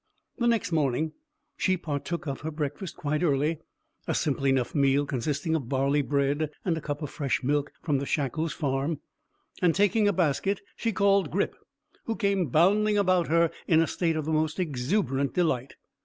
The next morning she partook of her breakfast quite early a simple enough meal, consisting of barley bread and a cup of fresh milk from the Shackles' farm, and, taking a basket, she called Grip, who came bounding about her in a state of the most exuberant delight.